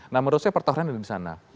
nah menurut saya pertaruhan ada di sana